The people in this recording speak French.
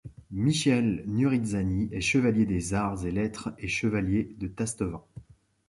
Michel Nuridsany est chevalier des arts et lettres et chevalier du Tastevin.